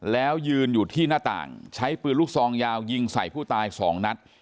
แล้วยืนอยู่ที่หน้าต่างใช้ปืนลูกซองยาวยิงใส่ผู้ตายสองนัด